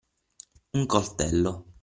un coltello.